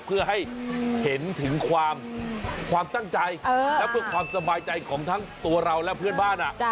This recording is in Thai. เพื่อให้เห็นถึงความตั้งใจและเพื่อความสบายใจของทั้งตัวเราและเพื่อนบ้าน